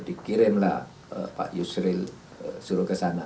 dikirimlah pak yusril suruh ke sana